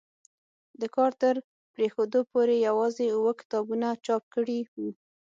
د کار تر پرېښودو پورې یوازې اووه کتابونه چاپ کړي وو.